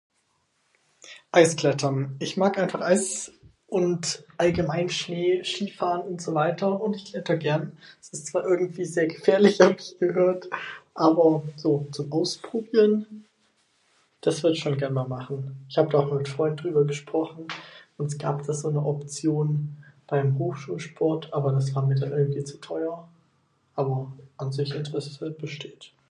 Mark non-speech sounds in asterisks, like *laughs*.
Eisklettern, ich mag einfach Eis und allgemein Schnee, Skifahren und so weiter und ich kletter gern. Das ist zwar irgendwie sehr gefährlich *laughs* hab ich gehört, aber so zum ausprobieren? Das würd ich schon gern einmal machen. Ich hab da auch mit nem Freund drüber gesprochen und es gab da so ne Option beim Hochschulsport aber das war mir dann irgendwie zu teuer. Aber an sich, Interesse besteht.